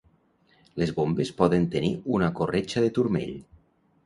Les bombes poden tenir una corretja de turmell.